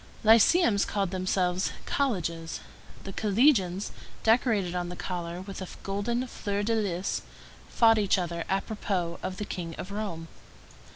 Lyceums called themselves colleges. The collegians, decorated on the collar with a golden fleur de lys, fought each other apropos of the King of Rome.